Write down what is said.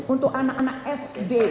untuk anak anak sd